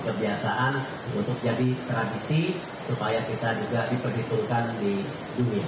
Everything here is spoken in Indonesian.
kebiasaan untuk jadi tradisi supaya kita juga diperhitungkan di dunia